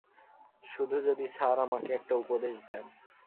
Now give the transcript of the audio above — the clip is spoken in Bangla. শুধু যদি স্যার আমাকে একটা উপদেশ দেন।